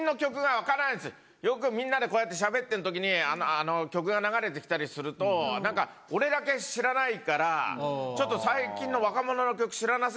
よくみんなでこうやってしゃべってるときに曲が流れてきたりするとなんか俺だけ知らないから。